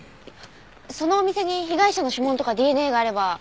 そのお店に被害者の指紋とかＤＮＡがあれば。